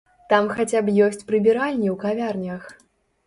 Там хаця б ёсць прыбіральні ў кавярнях!